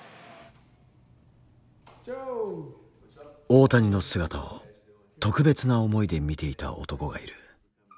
大谷の姿を特別な思いで見ていた男がいる。